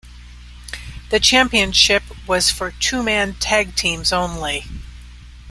The championship was for two-man tag teams only.